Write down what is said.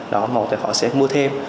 đó một là họ sẽ mua thêm